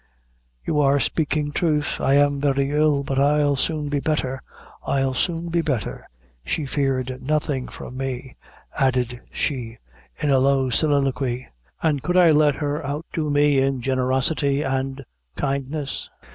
"You are speaking truth. I am very ill; but I'll soon be better I'll soon be better. She feared nothing from me," added she, in a low soliloquy; "an' could I let her outdo mo in generosity and kindness.